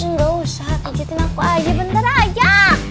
engga usah pijetin aku aja bentar aja